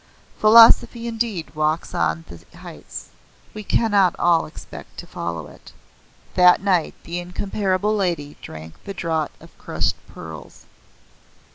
Philosophy indeed walks on the heights. We cannot all expect to follow it. That night the Incomparable Lady drank the Draught of Crushed Pearls.